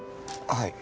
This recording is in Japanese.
はい。